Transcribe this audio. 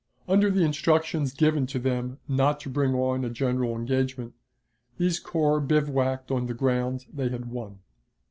Under the instructions given to them not to bring on a general engagement, these corps bivouacked on the ground they had won.